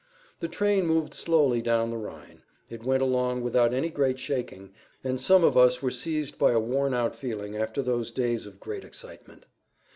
The train moved slowly down the Rhine, it went along without any great shaking, and some of us were seized by a worn out feeling after those days of great excitement.